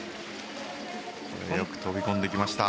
よく飛び込んできました。